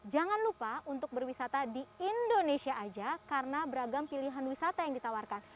jangan lupa untuk berwisata di indonesia aja karena beragam pilihan wisata yang ditawarkan